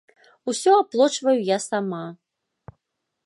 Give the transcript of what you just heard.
Усё аплочваю я сама.